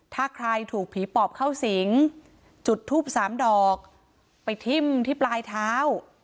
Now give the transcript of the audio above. ถ้าใครถูกผีปอบเข้าสิงจุดทูปสามดอกไปทิ้มที่ปลายเท้า